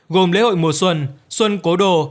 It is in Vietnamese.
gồm lễ hội mùa xuân xuân cố đồ